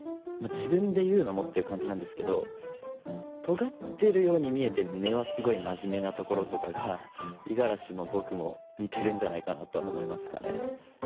自分で言うのもっていう感じなんですけどとがってるように見えて根はすごいマジメなところとかが五十嵐も僕も似てるんじゃないかなとは思いますかね。